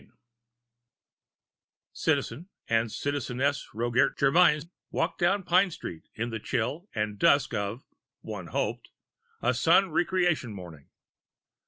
II Citizen and Citizeness Roget Germyn walked down Pine Street in the chill and dusk of one hoped a Sun Re creation Morning.